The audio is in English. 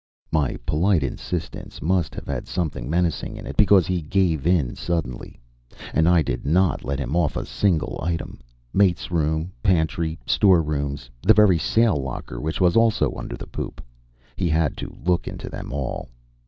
My polite insistence must have had something menacing in it, because he gave in suddenly. And I did not let him off a single item; mate's room, pantry, storerooms, the very sail locker which was also under the poop he had to look into them all.